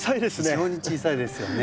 非常に小さいですよね。